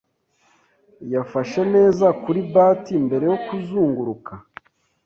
Yafashe neza kuri bat mbere yo kuzunguruka.